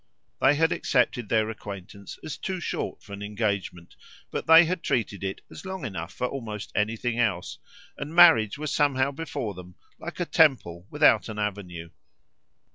They had accepted their acquaintance as too short for an engagement, but they had treated it as long enough for almost anything else, and marriage was somehow before them like a temple without an avenue.